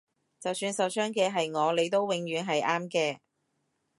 就算受傷嘅係我你都永遠係啱嘅